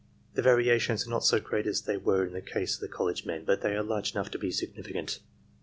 The variations are not so great as they were in the case of the college men, but they are large enough to be significant.